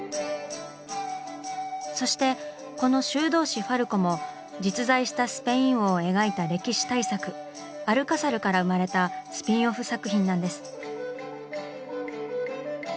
そしてこの「修道士ファルコ」も実在したスペイン王を描いた歴史大作「アルカサル」から生まれたスピンオフ作品なんです。